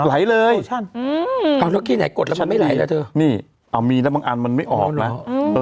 ไหลเลยนี่มีแล้วบางอันมันไม่ออกมา